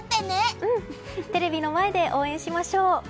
テレビの前で応援しましょう。